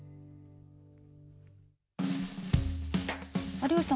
有吉さん